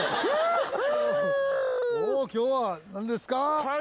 おお今日は何ですか？